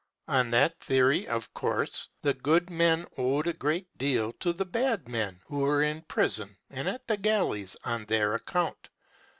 On that theory, of course the good men owed a great deal to the bad men who were in prison and at the galleys on their account.